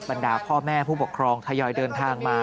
ดาพ่อแม่ผู้ปกครองทยอยเดินทางมา